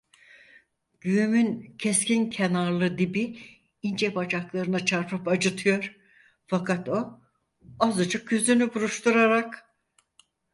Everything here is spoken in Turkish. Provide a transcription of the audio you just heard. Güğümün keskin kenarlı dibi ince bacaklarına çarpıp acıtıyor, fakat o, azıcık yüzünü buruşturarak: